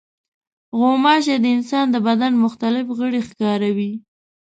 غوماشې د انسان د بدن مختلف غړي ښکاروي.